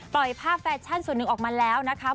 ภาพแฟชั่นส่วนหนึ่งออกมาแล้วนะคะ